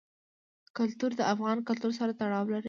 کلتور د افغان کلتور سره تړاو لري.